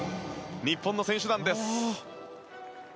日本の選手団です。